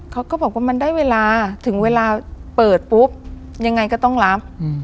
เขาก็บอกว่ามันได้เวลาถึงเวลาเปิดปุ๊บยังไงก็ต้องรับ